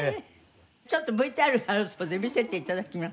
ちょっとＶＴＲがあるそうで見せて頂きます。